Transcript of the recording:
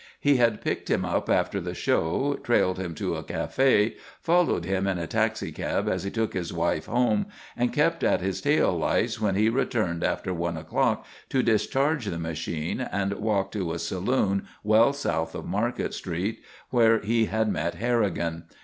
He had picked him up after the show, trailed him to a café, followed him in a taxicab as he took his wife home, and kept at his tail lights when he returned after one o'clock to discharge the machine and walk to a saloon well south of Market Street where he had met Harrigan.